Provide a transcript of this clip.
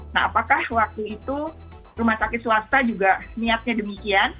nah apakah waktu itu rumah sakit swasta juga niatnya demikian